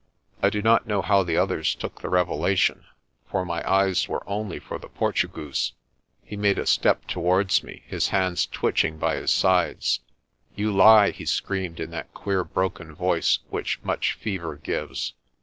I do not know how the others took the revelation, for my eyes were only for the Portugoose. He made a step towards me, his hands twitching by his sides. "You lie!" he screamed in that queer broken voice which much fever gives.